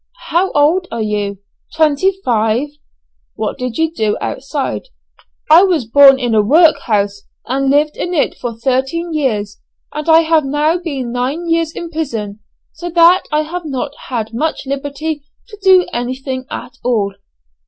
"How old are you?" "Twenty five." "What did you do outside?" "I was born in a workhouse, and lived in it for thirteen years, and I have now been nine years in prison; so that I have not had much liberty to do anything at all."